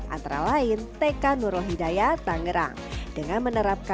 antara lain tkm